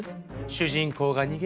主人公が逃げる。